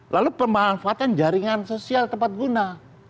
lalu pemanfaatan jaringan sosial tempat guna